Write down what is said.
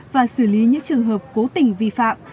và xử lý những trường hợp cố tình vi phạm